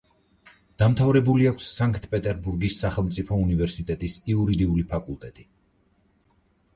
დამთავრებული აქვს სანქტ-პეტერბურგის სახელმწიფო უნივერსიტეტის იურიდიული ფაკულტეტი.